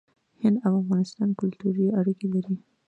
هند او افغانستان کلتوري اړیکې لري.